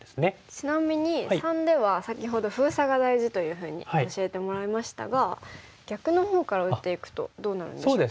ちなみに③では先ほど封鎖が大事というふうに教えてもらいましたが逆のほうから打っていくとどうなるんでしょうか。